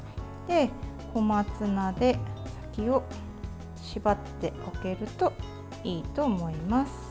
小松菜で先を縛ってあげるといいと思います。